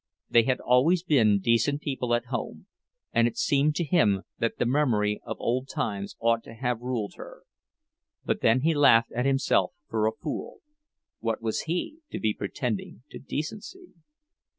They had always been decent people at home, and it seemed to him that the memory of old times ought to have ruled her. But then he laughed at himself for a fool. What was he, to be pretending to decency!